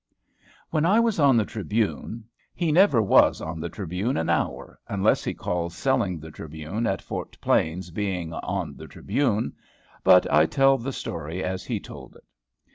"] When I was on the "Tribune" (he never was on the "Tribune" an hour, unless he calls selling the "Tribune" at Fort Plains being on the "Tribune"). But I tell the story as he told it.